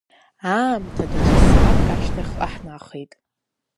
Аамҭа даҽа сааҭк шьҭахьҟа ҳнахеит.